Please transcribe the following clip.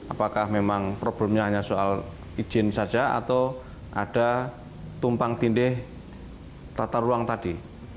apakah memang problemnya hanya soal izin saja atau ada tumpang tindih tata ruang tadi